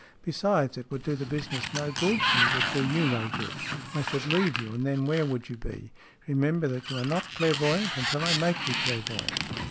Besides, it would do the business no good, and it would do you no good. I should leave you, and then where would you be ? Remember that you are not clairvoyant until I make you clairvoyant."